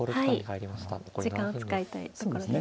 時間を使いたいところですか。